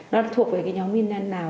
nó thuộc về nhóm viên năn nào